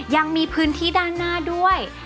ยังมีพื้นที่ด้านหน้าด้วย